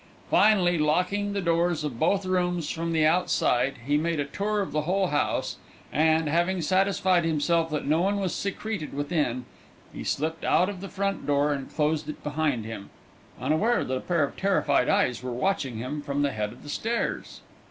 Finally, locking the doors of both rooms from the outside, he made a tour of the whole house, and, having satisfied himself that no one was secreted within, he slipped out of the front door and closed it behind him, unaware that a pair of terrified eyes were watching him from the head of the stairs.